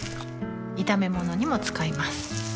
炒め物にも使います